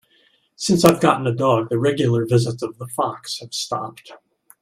Since I've gotten a dog, the regular visits of the fox have stopped.